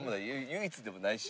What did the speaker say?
唯一でもないし。